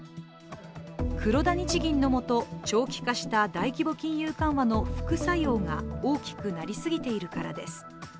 黒田日銀のもと、長期化した大規模金融緩和の副作用が大きくなりすぎているからです。